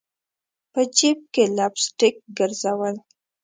په جیب کي لپ سټک ګرزول